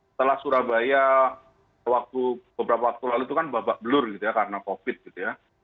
setelah surabaya beberapa waktu lalu itu kan babak belur gitu ya karena covid gitu ya